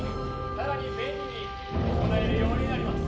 さらに便利に行えるようになります